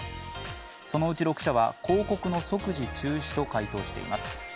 そのうち６社は広告の即時中止と回答しています。